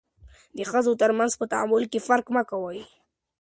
د ښځو ترمنځ په تعامل کې فرق مه کوئ.